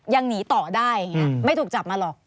ยังหนีต่อได้ไม่ถูกจับมาหรอก